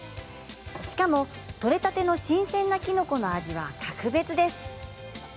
しかも取れたての新鮮なキノコの味は格別です。